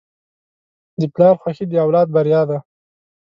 د پلار خوښي د اولاد بریا ده.